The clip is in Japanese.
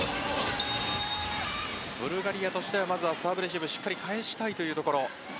ブルガリアとしてはまずはサーブレシーブしっかり返したいというところ。